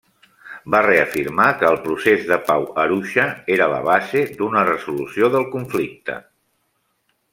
Va reafirmar que el procés de pau Arusha era la base d'una resolució del conflicte.